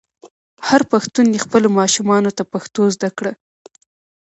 هر پښتون دې خپلو ماشومانو ته پښتو زده کړه.